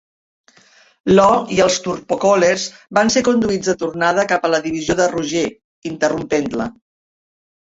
Lo i els Turcopoles van ser conduits de tornada cap a la divisió de Roger, interrompent-la.